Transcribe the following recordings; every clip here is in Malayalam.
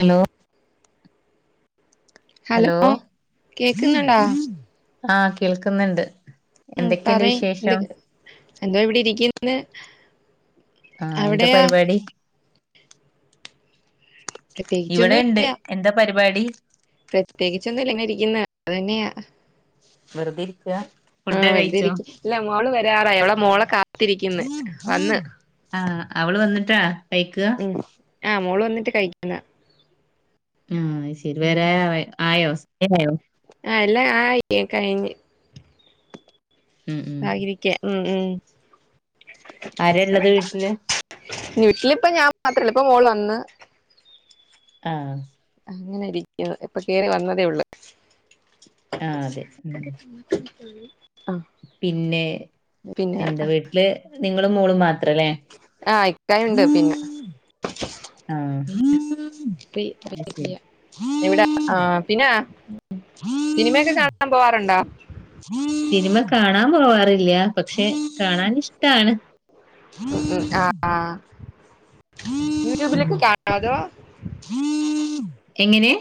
ഹലോ ഹലോ കേക്കുന്നുണ്ടാ ആഹ് കേൾക്കുന്നുണ്ട് ഉം എന്തൊക്കെണ്ട് പറയ് എന്ത് വിശേഷം എന്തോ ഇവിടെ ഇരിക്ക്ന്ന് ആഹ് എന്ത പരിപാടി ഇവിടെ പ്രത്യേകിച്ചൊന്നും ഉണ്ട് എന്താ പരിപാടി പ്രത്യേകിൊന്നുംല്ല ഇങ്ങനെ ഇരിക്കുന്ന അത് തന്നെയാ വെറുത ഇരിക്ക ഫുഡൊക്കെ വെറുതെ കഴിച്ചോ? ഇരിക്ക ഇല്ല മോള് വരാറായി അവളെ മോളെ കാത്തിരിക്ക്ന്ന് വന്ന് ആഹ് അവള് വന്നിട്ടാ കൈക്കുക ആഹ് മോള് വന്നിട്ട് കഴിക്കുന്ന ആഹ് അത്ശരി വേരെ ആയോ [unintelligible] ആയോ ആഹ് എല്ലം ആയിക്ക് കഴിഞ്ഞ് ഉം ഉം ആകിരിക്കേ ഉം ഉം ആരള്ളത് വീട്ടില് വീട്ടിലിപ്പ ഞാൻ മാത്രല്ല ഇപ്പം മോള് വന്ന് ആഹ് അങ്ങനെ ഇരിക്കുന്നു ഇപ്പൊ കേയറി വന്നതേ ഉള്ളൂ ആഹ് അതെ ഉം [unintelligible] പിന്നെ പിന്നെ എന്താ വീട്ടില് നിങ്ങളും മോളും മാത്രല്ലേ ആഹ് ഇക്കായുണ്ട് പിന്ന ആഹ് അത്ശെരി ആഹ് പിന്ന സിനിമയൊക്കെ കാണാൻ പോവാറുണ്ടാ? സിനിമ കാണാൻ പോവാറില്ല പക്ഷെ കാണാൻ ഇഷ്ടാണ് ഉം ഉം ആഹ് ഉം യൂട്യൂബിലേക്കെ കാണ അതോ എങ്ങനെ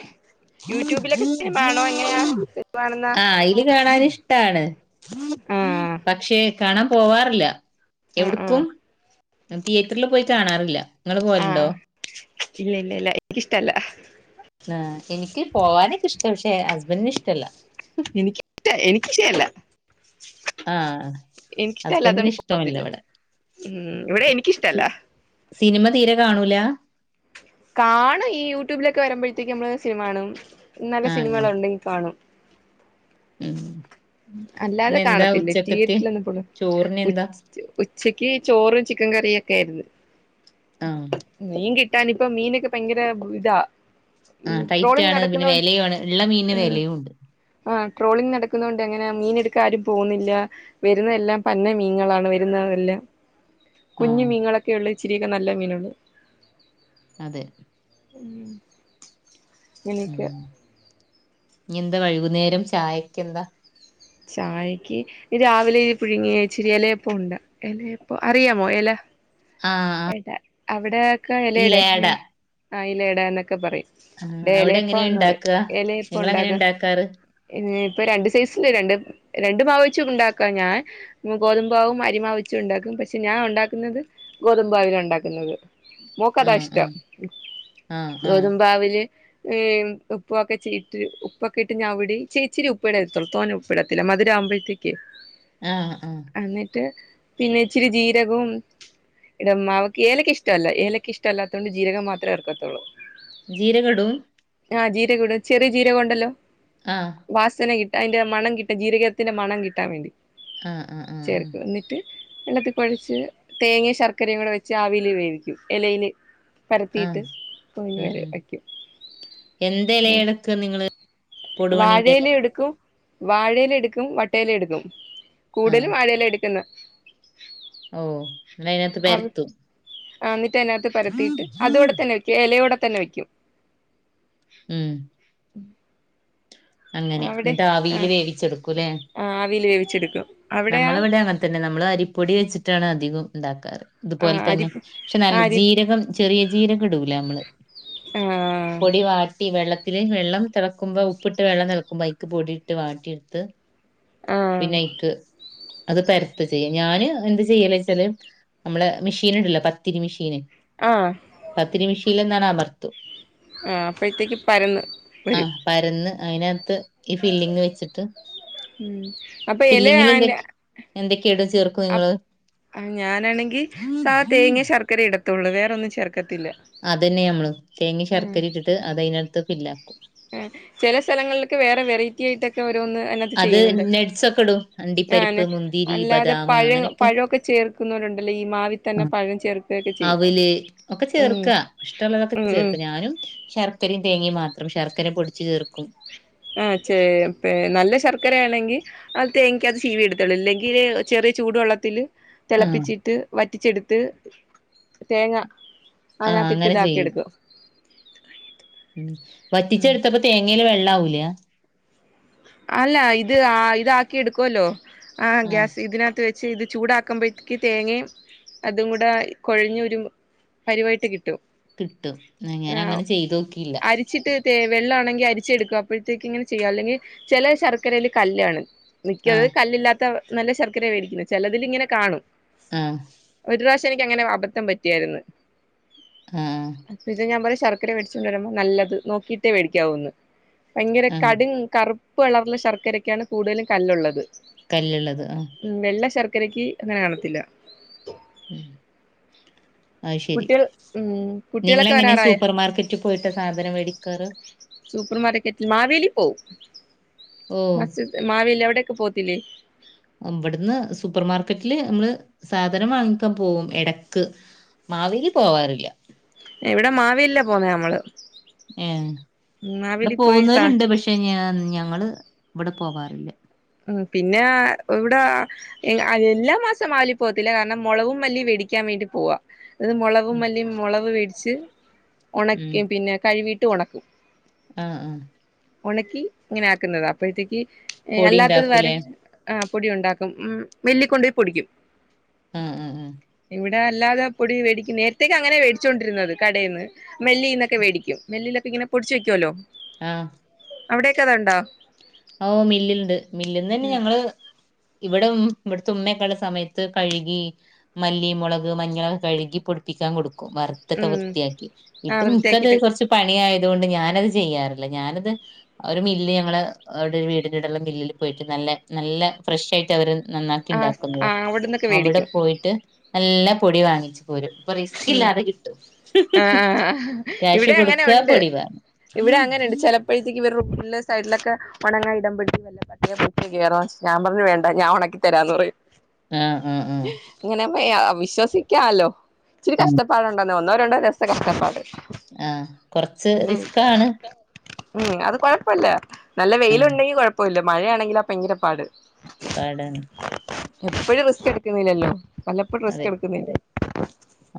യൂട്യൂബിലൊക്കെ സിനിമ ആണോ എങ്ങനെയാ സിനിമ കാണുന്ന ആഹ് അയില് കാണാനിഷ് ട്ടാണ് ആഹ് പക്ഷെ കാണാൻ പോവാറില്ല ആഹ് ആഹ് എവിട്ക്കും തിയേറ്ററിൽ പോയി കാണാറില്ല നിങ്ങള് പോവലുണ്ടോ ആഹ് ഇല്ല ഇല്ല ഇല്ല എനിക്കിഷ്ടല്ല ആഹ് എനിക്ക് പോകാനൊക്ക ഇഷ്ട പക്ഷെ ഹസ്ബന്റിന് ഇഷ്ടല്ല എനിക്കിഷ്ട എനിക്കിഷയല്ല ആ എനിക്ക് ഹസ്ബൻഡിന് ഇഷ്ട്ടെല്ലാത്തോണ്ട് ഇഷ്ടമല്ല പോവത്തില്ല ഇവിടെ ഉം ഇവിടെ എനിക്കിഷ്ടല്ല സി- സിനിമ തീരെ കാണൂല കാണും ഈ യൂട്യൂബിലൊക്കെ വരുമ്പോഴത്തേയ്ക്കും നമ്മള് സിനിമ കാണും നല്ല അങ്ങനെ സിനിമകളുണ്ടെങ്കിൽ കാണും ഉം അല്ലാതെ ഇന്നെന്താ കാണത്തില്ലേ ഉച്ചക്കത്തെ തിയേറ്ററിലിള്ളപ്പോള് ചോറിന് എന്താ ഉച്ച് ഉച്ചയ്ക്ക് ചോറും ചിക്കൻ കറ്യാെക്കെ ആയിരുന്ന്. ആഹ് മീൻ കി ട്ടാനിപ്പം മീനൊക്കെ ഭയങ്കര ഇതാ ആ ഈ ടൈറ്റ് ട്രോളിംഗ് ആണ്. പിന്നെ നടക്കുന്ന വെലയ്യാണ്. ഇള്ള മീനിന് വെലയൂണ്ട്. ആ ട്രോളിംഗ് നടക്കുണോണ്ട് അങ്ങനെ മീനെടുക്ക ആരും പോകുന്നില്ല. വരുന്ന എല്ലാം പന്ന മീനുകളാണ് വരുന്നതെല്ലാം. കുഞി ആഹ് മീനങ്ങളൊക്കെയൊള്ളു ഇച്ചിരിയൊക്കെ നല്ല മീനേള്. അതെ ഉം എനിക്ക് ഇഞ് എന്താ വൈകുന്നേരം ചായക്കെന്താ. ചായക്ക് രാവിലെ ഇ പുഴുങ്ങിയച്ചിരി എലയപ്പ ഉണ്ട്. എലയപ്പോ അറിയാമോ എല ആഹ് ആഹ് എടാ അവിടെ ഒക്കെ ഈ എലട. ലേട ഇങ്ങനെ ആ ഇലയടാ ഇന്നൊക്കെ പറയും ആഹ് ടെ അവിടെ എലയപ്പ എങ്ങനെയാ ഇന്ന് പറി. ഇണ്ടാക്കാ എലയപ്പ നിങ്ങളെങ്ങനെയാ ഉണ്ടാക്ക. ഇണ്ടാക്കാറ് ഇപ്പൊ രണ്ടു സൈസ് രണ്ട് രണ്ടുമാവ് വെച്ചും ഉണ്ടാക്കാഞാൻ ഗോതമ്പാവും അരിമാവ് വെച്ചും ഉണ്ടാക്കും. പക്ഷെ ഞാൻ ഉണ്ടാക്കുന്നത് ഗോതമ്പാവിന ഉണ്ടാക്കുന്നത്. മോക്കതാ ആഹ് ഇഷ്ടം ആഹ് ആഹ് ആഹ് ഗോതമ്പാവില്. ഏഹ് ഉപ്പൊക്കെ ചീട്ട് ഉപ്പൊക്കെ ഇട്ട് ഞവിടി ഇച്ചിരി ഇച്ചിരി ഉപ്പിട അത്രത്തോനെ ഉപ്പിടത്തില്ല. മദുരവുമ്പോഴത്തേക്ക് ആഹ് ആഹ് അന്നിട്ട് പിന്നെ ഇച്ചിരി ജീരകവും. ഇടു മാവ്ക്ക് ഏലക്ക ഇഷ്ട അല്ല. ഏലക്ക ഇഷ്ടല്ലാത്തോണ്ട് ജീരകം മാത്രം ചേർക്കത്തൊള്ളൂ. ജീരകം ഇടും ആഹ് ജീരകിടും. ചെറിയ ജീരകം ഉണ്ടല്ലോ. ആ വാസന കിട്ടാൻ. അതിന്റെ മണം കിട്ടാ. ജീരകത്തിന്റെ മണം കിട്ടാൻ വേണ്ടി ആഹ് ആഹ് ആഹ് ആഹ് ചേർക്കു എന്നിട്ട്. എന്നിട്ട് കൊഴച്ച് തേങ്ങെ ശർക്കരയും കൂടെ വെച്ച് ആവിയില് വേവിക്കും. എലയില്. പരത്തീട്ട് ആഹ് ഉം പൊതിഞ്ഞമേലെ ഉം വെയ്ക്കും. ക്കെ നിങ്ങള് കൊടുവണ്ണീന്റെ എല വാഴേല് എടുക്കും. വാഴേല് എടുക്കും വട്ടേല് എടുക്കും ആഹ് കൂടലും വായലെ എടുക്കുന്നെ ഓഹ് ന്നാ അയിന്നത് പര്ത്തും. ആഹ് ഇന്നിട്ട് അതിനകത്ത് പരത്തീട്ട് അതോടെ തന്നെ വെക്കും. എലയോടെ തന്നെ വെക്ക്യും. ഉം അങ്ങനെ അവിടെ ഇന്നട്ട് ആ ആവീല് വേവിച്ചെടുക്കുല്ലേ. ആവിയിൽ വേവിച്ചെടുക്കും അവിടെയാ നമ്മളിവിടെ അങ്ങ തന്നെ നമ്മള് അരിപ്പൊടി വെച്ചിട്ടാണ് അധികും ഇണ്ടാക്കാറ്. ആ ഇതുപോലെ അരി തന്നെ. പക്ഷെ നല്ല അരി ജീരകം ചെറിയ ജീരകം ഇടൂല അമ്മള്. ആ പൊടിവാട്ട് ട്ടി വെള്ളത്തില്. വെള്ളം തളക്കുമ്പോ ഉപ്പിട്ട് വെള്ളം തെളക്കുമ്പോ അയ്ക്ക് പൊടി ഇട്ട് വാട്ടി ഇട്ത്ത്. ആ പിന്നെ അയ്ക്ക് അത് പരത്ത ചെയ്യാ. ഞാന് എന്തചെയ്യല്ച്ചാല്. നമ്മളെ മിഷീൻ ഇണ്ടല്ലോ. പത്തിരി മിഷീന്. ആഹ് പത്തിരി മിഷീലൊന്നാണ് അമർത്തും. ആഹ് അപ്പഴത്തേക്ക് പരന്ന് വെരും. ആഹ് പരന്ന് അയിനകത്ത് ഉം അപ്പൊ എല ഫില്ലിങ്ങിൽ അയിന്റെ എന്തൊക്കെ ഇടും ചെ അപ്പ് ഞാനാണെങ്കി സാധ നിങ്ങള് തേങ്ങയും ശർ ക്കരേം ഇടത്തൊള്ളൂ വേറൊന്നും ചേർക്കത്തില്ല അതന്നെഞമ്മളും തേങ്ങയും ശർക്കരയും ഇട്ടിട്ട് അത് അയിനാത്ത് ഫില്ലാക്കും ആ ചെല സ്ഥലങ്ങളിലൊക്കെ വേറെ വെറൈ റ്റി ഇതൊക്കെ ഓരോന്ന് അയിനാത്ത് അത് ചെയ്യുന്നൊണ്ട് നട്ട്സ് ഒക്കെ ഇടും അണ്ടിപ്പരിപ്പ് ഞാന് മുന്തിരി അല്ലാതെ ബദാം പഴ പഴൊക്കെ ചേർക്കുന്നോരുണ്ടല്ലോ ഈ മാവി ആ അവില് ഒക്കെ ഉം ചേർക്കാ ഇഷ്ടോള്ളതൊക്കെ ഉം ഉം ചേർക്കാ ഞാനും ശർക്കരേം തേങ്ങേം മാത്രം ശർക്കര പൊടിച്ചുചേർക്കും ആ ചെ പെ നല്ലശർക്കരയാണെങ്കി അത് തേങ്ങക്കാത്ത് ചീവിയിടത്തൊള്ളൂ ഇല്ലെങ്കില് ചെറിയ ചൂടുവെള്ളത്തില് ആഹ് തെളപ്പിച്ചിട്ട് വറ്റിച്ചെടുത്ത് തേങ്ങാ ആഹ് അയിനാത്തിട്ട് അങ്ങനെ ചെയ്യും ഇതാക്കിയെടുക്കും ഉം ഉം വറ്റിച്ചെടുത്തപ്പോ തേങ്ങേല് വെള്ളാവൂലാ അല്ലാ ഇത് ആ ഇതാക്കിയെടുക്കുവല്ലോ ആ ആഹ് ഗ്യാസ് ഇതിനാത്ത് വെച്ച് ച്ച് ഇത് ചൂടാക്കുമ്പഴത്തേക്ക് തേങ്ങയും അതുംകൂടെ കൊഴഞ്ഞൊരു പരുവായിട്ട് കിട്ടും കിട്ടും നിങ്ങനങ്ങനെ ചെയ്തുനോക്കിയില്ല ച്ചിട്ട് തേ വെള്ളാണെങ്കി അരിച്ചെടുക്കും അപ്പോഴത്തേക്ക് ഇങ്ങനെ ചെയ്യുക അല്ലെങ്കി ചെല ശർക്കരേല് കല്ലാണ് മിക്കത് ആഹ് കല്ലില്ലാത്ത നല്ലശർക്കരയാ മേടിക്കുന്നേ ചിലതിലിങ്ങനെകാണും ആഹ് ഒരുറാശ് എനിക്കങ്ങനെ അബദ്ധം പറ്റിയാരുന്നു ആഹ് ഇത് ഞമ്മടെ ശർ ക്കര മേടിച്ചോണ്ടുവരുമ്പോ നല്ലത് നോക്കിയിട്ടേ മേടിക്കാവൂന്ന് ഭയങ്കര ആഹ് കടും കറുപ്പുകളറുള്ള ശർക്കരക്കാണ് കൂടുതലും കല്ലുള്ളത് കല്ലുള്ളത് ആം ഉം വെള്ളശർക്കരക്ക് അങ്ങനെ കാണത്തില്ല ആഹ് അത് ശരി കുട്ടികൾ ഉം നിങ്ങളെങ്ങനെ കുട്ടികളൊക്കെവരാറായോ സൂപ്പർ മാർക്കറ്റിൽ പോയിട്ടാ സാധനം മേടിക്കാറ് സൂപ്പർ മാർക്കറ്റില് മാവേലിപോവും ഓഹ് മസ് മാവേലി അവിടൊക്കെ പോവത്തില്ലേ ഇവിടന്ന് സൂപ്പർമാർക്കറ്റില് നമ്മള് സാധനം വാങ്ങിക്കാൻ പോകും എടക്ക് മാവേലി പോവാറില്ല ഇവിടെ മാവേലിലാ പോവുന്നേ നമ്മള് ഏ ഇവിടെ മാവേലി പോയി സ പോകുന്നവരൊണ്ട് പക്ഷെ ഞാൻ ഞങ്ങള് ഇവിടെ പോവാറില്ല ഉം പിന്നെ ഇവിടെ എല്ലാ എല്ലാമാസോം മാവേലി പോവത്തില്ല കാരണം മൊളകും മല്ലീം വേടിക്കാൻവേണ്ടി പോവാ അത് മൊളകും മല്ലിം മൊളക് വേടിച്ച് ഒണക്കീം പിന്നെ കഴിവീട്ട് ഒണക്കും ആ ആ ഒണക്കി ഇങ്ങനെയാക്കുന്നതാ അപ്പഴത്തേക്ക് പൊടി ഇണ്ടാ ആര് ആ പൊടിഒണ്ടാക്കും ഉം മില്ലിക്കൊണ്ടോയി പൊടിക്കും അ ആ ഉം ഇവിടെ അല്ലാതെ പൊടിമേടിക്കും നേരത്തെക്കെ അങ്ങനെ വേടിച്ചോണ്ടിരുന്നത് കടേന്ന് മില്ലിന്നെക്കെ വേടിക്കും മില്ലിലെക്കെയിങ്ങനെ പൊടിച്ചു വെക്കുവല്ലോ ആ അവിടേക്കെ അതൊണ്ടോ ഓ മില്ലിണ്ട് മില്ലിലന്നെ ഞങ്ങള് ഇവിടെ ഉം ഇവിടത്തെ ഉമ്മയൊക്കെയുള്ള സമയത്ത് കഴുകി മല്ലി, മുളക്, മഞ്ഞള് കഴുകി പൊടിപ്പിക്കാൻ കൊടുക്കും വറു ത്ത് ഒക്കെ ഉം വൃത്തിയാക്കി ആ ഇപ്പൊ നിക്ക് വൃത്തിയാക്കിട്ട് കൊറച്ച്. പണിയായത് കൊണ്ട് ഞാൻ അത് ചെയ്യാറില്ല, ഞാൻ അത് ഒരു മില്ല് ഞങ്ങള്. അവിടെ ഒരു വീടിലുള്ളൊരു മില്ലില് പോയിട്ട് നല്ല നല്ല ഫ്രഷ് ആയിട്ട് അവര് നന്നാ ആ ആ ഉണ്ടാക്കുന്നതാ, അവിടന്നൊക്കെ അവിടെ മേടിക്കും പോയിട്ട് നല്ല പൊടി വാങ്ങിച്ച് പോരും. ഇപ്പൊ റിസ്ക് ഉം ഇല്ലാതെ കിട്ടും, ആ ആ ക്യാഷ് ഇവിടെ അങ്ങനെ കൊടുക്കുക പൊടി വാങ്ങുക. [unintelligible] ഉള്ള സൈഡിലൊക്കെ. ഉണങ്ങാൻ ഇടുപ്പോഴേക്ക് വെല്ലോ പട്ടിയോ പൂച്ചയോ കയറാൻ ഞാൻ പറഞ്ഞു വേണ്ട ഞാൻ ഉണക്കി തരാന്ന് പറയും. ആഹ് ആഹ് ആഹ് ഇങ്ങനെ പോ വിശ്വസിക്കാലോ? ഇച്ചരി കഷ്ട്ടാപ്പാടുണ്ടോന്ന് ഒന്നോ രണ്ടോ ദിവസത്തെ കഷ്ടപ്പാട്. ആഹ് കൊറച്ച് ഇത് റിസ്ക് ആണ്. ഉം അത് കുഴപ്പമില്ല നല്ല വെയിൽ ഉം ഉണ്ടെങ്കിൽ കൊഴ പ്പല്ല മഴയാണെങ്കിൽ ആഹ് ഭയങ്കര പാട്. പാടാണ് എപ്പോഴും റിസ്ക് എടുക്കുന്നില്ലല്ലോ, വല്ലപ്പോഴും റിസ്ക് അതെ എടുക്കുന്നില്ലേ?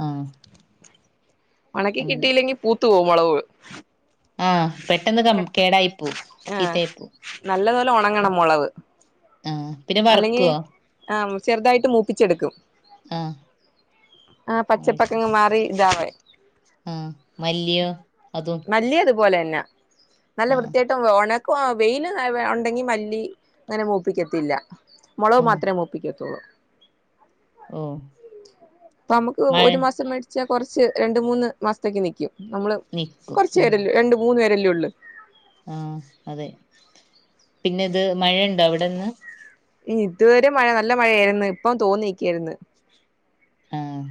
ആഹ് ഉണക്കി അങ്ങനെ കിട്ടിയില്ലെങ്കിൽ പൂത്തുപോവും മുളക്. ആഹ് പെട്ടെന്ന് കോ കേടായി പോവും, ചീത്തായി പോവും. നല്ലത് പോലെ ഉണങ്ങണം മുളക്. ആഹ് പിന്നെ അല്ലെങ്കിൽ വറക്കോ ആഹ് ചെറുതായിട്ട് മൂപ്പിച്ചെടുക്കും. ആഹ് ആഹ്, അത് പച്ചപ്പ് ഒക്കെ ശരി അങ്ങുമാറി ഇതാവറായി. ആഹ് മല്ലിയോ അതും മല്ലി അതുപോലെ തന്നെ. നല്ല ആഹ് വൃത്തിയായിട്ട് ഉണക്കും വെയില് ഉണ്ടെങ്കിൽ മല്ലി അങ്ങനെ മൂപ്പിക്കത്തില്ല. മുളക് ആഹ് മാത്രമേ മൂപ്പിക്കത്തുള്ളൂ. ഓഹ് ഇപ്പൊ നമുക്ക് മഴ ഒരു മാസം മേടി ച്ചാ കുറച്ച് രണ്ട് മൂന്ന് മാസത്തേക്ക് നിക്കും നമ്മള് നിക്കും കുറച്ച് ഉം പേരെ രണ്ട് മൂന്ന് പേരെയല്ലേ ഉള്ളു. ആഹ് അതെ പിന്നെ ഇത് മഴയുണ്ടോ അവിടെ ഇന്ന്. ഇതുവരെ മഴ നല്ല മഴയായിരുന്നു ഇപ്പം തോന്നിക്കായിരുന്നു. ആഹ്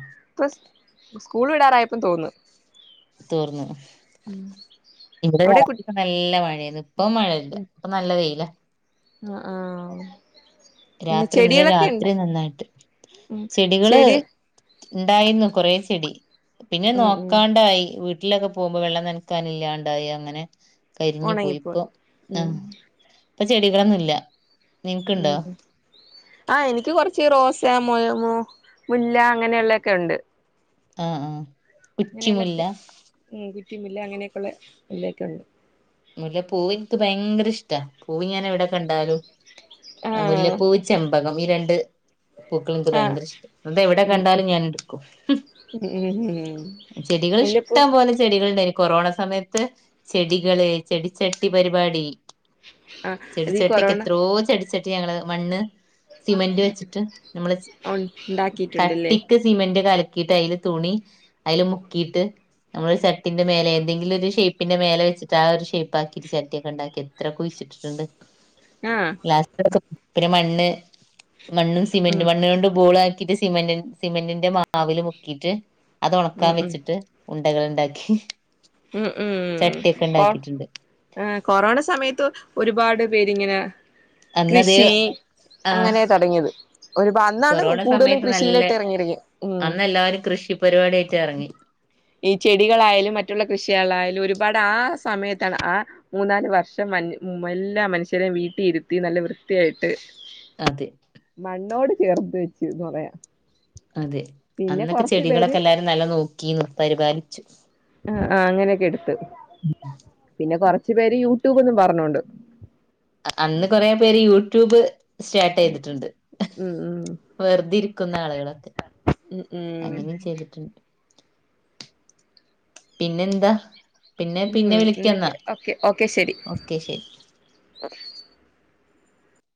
സ് സ്കൂള് വിടാറായപ്പം തോർന്നു. തോർന്നു ഇവിടെ അവിടെ കു രാവിലെ. നല്ല മഴയായിരുന്നു ഇപ്പൊ മഴയില്ല ഇപ്പൊ നല്ല വെയിലാ. ആഹ് ആഹ് രാത്രി ഇന്നലെ രാത്രി നന്നായിട്ട്. ഉം ചെടി ഉണ്ടായിരുന്നു കൊറേ ചെടി പിന്നെ ഉം ഉം നോക്കാണ്ടായി വീ വീട്ടിലൊക്കെ പോകുമ്പോൾ വെള്ളം നനക്കാനില്ലാണ്ടായി അങ്ങനെ. കരിഞ്ഞു പോയി ഉണങ്ങിപ്പോയി ഇപ്പം ഉം ആഹ് ഇപ്പൊ ചെടികളൊന്നും ഇല്ല. ഉം ആഹ് എനിക്ക് കുറച്ച് റോസാ മൊമു മുല്ല അങ്ങനെയൊക്കെയുള്ള ഉണ്ട്. ആഹ് ആഹ് അങ്ങനെയുള്ള കുറ്റിമുല്ല കുറച്ച് ഉം കുറ്റിമുല്ല അങ്ങനെയൊക്കെയുള്ള മുല്ലയൊക്കെ ഉണ്ട്. മുല്ല പൂവ് എനിക്ക് ഭയങ്കര ഇഷ്ടാ, പൂവ് ഞാൻ എവിടെ കണ്ടാലും. ആ മുല്ലപ്പൂവ് ചെമ്പകം ഈ രണ്ട്. പൂക്കള് എനിക്ക് ആ ഭയങ്കര ഇഷ്ടാ, അത് എവിടെ ഉം കണ്ടാലും ഞാൻ എടുക്കും ഉം. ഉം ഉം മുല്ലപ്പൂ ചെടികള് ഉണ്ടായി കൊറോണ സമയത്ത് ചെടികള് ചെടിച്ചട്ടി പരിപാടി ആ അത് ഈ ചെടിച്ചട്ടിയൊക്കെ കൊറോണ എത്രയോ ചെടിച്ചട്ടി ഞങ്ങള് മണ്ണ് സിമെന്റ് വെച്ചിട്ട് നമ്മള് ഉണ്ടാക്കിയിട്ടുണ്ടല്ലേ കട്ടിക്ക് സിമെന്റ് കലക്കിയിട്ട് അതില് തുണി അതില് മുക്കിയിട്ട് നമ്മള് ഒരു ചട്ടിന്റെ മേലെ എന്തെങ്കിലും ഒരു ഷേപ്പിന്റെ മേലെ വെച്ചിട്ട് ആ ഒരു ഷേ ഷേപ്പ് ആക്കിട്ട് ചട്ടിയൊക്കെ ഉണ്ടാക്കി എത്ര കുഴിച്ചിട്ടിട്ടുണ്ട് ആഹ് മണ്ണ് മണ്ണും സിമന്റ ഉം മണ്ണ് പൂളാക്കിയിട്ട് സിമന്റ് സിമെന്റിന്റെ മാവിൽ മുക്കിയിട്ട് അത് ഉം ഉണക്കാൻ ഉം വെച്ചിട്ട് ഉണ്ടകള് ഉണ്ടാക്കി ഉം ഉം ചട്ടിയൊക്കെ ആഹ് ഉണ്ടാക്കിയിട്ടുണ്ട് ആഹ് കൊറോണ സമയത്ത് ഒരുപാട് പേരിങ്ങനെ അന്നത് കൃഷി ആ അങ്ങനെയാ തുടങ്ങിയത് ഒരു അന്നാണ് കൊറോണ കൂടുതലും സമയത്ത് നല്ല കൃഷിയിലായിട്ട് ഇറങ്ങിയിരിക്ക് ഉം അന്ന് എല്ലാവരും കൃഷി പരിപാടിയായിട്ട് ഇറങ്ങി ഈ ചെടികളായാലും മറ്റുള്ള കൃഷികളായാലും ഒരുപാട് ആ സമയത്താണ് ആ മൂന്നാല് വർഷം മ എല്ലാ മനുഷ്യരെയും വീട്ടി ഇരുത്തി നല്ല വൃത്തിയായിട്ട് അതെ മണ്ണോട് ചേർത്ത് വെച്ചൂന്ന് പറയാം അതെ പിന്നെ അന്നൊക്കെ കൊറച്ചു പേര് ചെടികളൊക്കെ എല്ലാരും നല്ല നോക്കിയും പരിപാലിച്ചും ആഹ് ആഹ് അങ്ങനെയൊക്കെ എടുത്ത് പിന്നെ കൊറച്ച് പേര് യൂട്യൂബ് എന്നും പറഞ്ഞോണ്ട് അന്ന് കൊറേ പേര് യൂട്യൂബ് സ്റ്റാർട്ട് ചെയ്തിട്ടുണ്ട് ഉം ഉം വെറുതെ ഇരിക്കുന്ന ആളുകളൊക്കെ ഉം ഉം അങ്ങനെയും ചെയ്തിട്ടുണ്ട് പിന്നെ എന്താ പിന്നെ ഉം പിന്നെ വിളിക്കന്നാ എന്നക്ക് ഓക്കെ ഓക്കെ ശരി ഓക്കെ ശരി